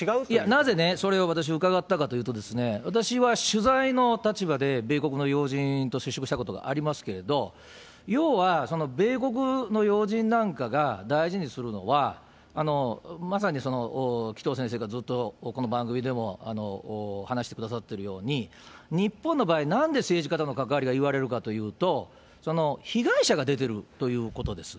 なぜね、それを私、伺ったかというと、私は取材の立場で米国の要人と接触したことがありますけれど、要は米国の要人なんかが大事にするのは、まさに紀藤先生がずっとこの番組でも話してくださっているように、日本の場合、なんで政治家との関わりが言われるかというと、被害者が出てるということです。